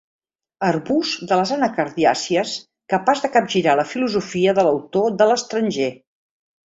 Arbust de les anacardiàcies capaç de capgirar la filosofia de l'autor de L'Estranger.